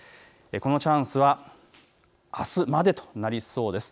このチャンスはあすまでとなりそうです。